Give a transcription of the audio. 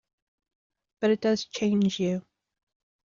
But it does change you.